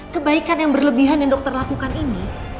kebaikan yang berlebihan yang dokter lakukan ini